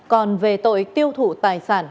còn về tội tiêu thụ tài sản